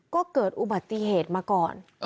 ก็เกิดอุบัติเหตุมาก่อน